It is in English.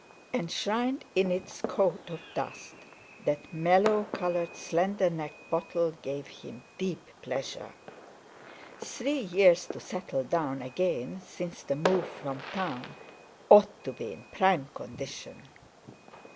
Enshrined in its coat of dust, that mellow coloured, slender necked bottle gave him deep pleasure. Three years to settle down again since the move from Town—ought to be in prime condition!